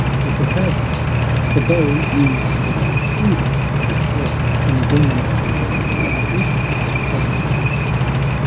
AJAKAVA The bow used by Siva, the destroyer, in bring ing about the dissolution of Cosmos.